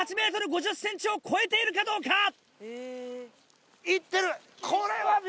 ２８ｍ５０ｃｍを超えているかどうか？